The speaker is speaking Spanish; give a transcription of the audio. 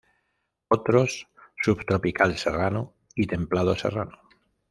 Otros: subtropical serrano y templado serrano.